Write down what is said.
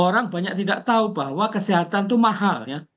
orang banyak tidak tahu bahwa kesehatan itu mahal ya